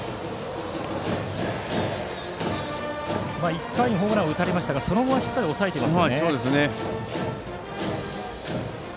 １回にホームランを打たれましたがその後はしっかり抑えています。